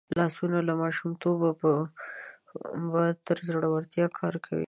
لاسونه له ماشومتوبه تر زوړتیا کار کوي